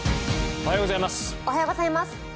おはようございます。